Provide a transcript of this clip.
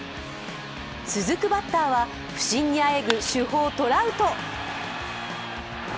続くバッターは、不振にあえぐ主砲・トラウト。